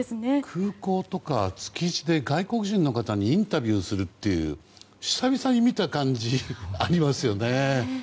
空港とか築地で外国人の方にインタビューするっていう久々に見た感じがありますよね。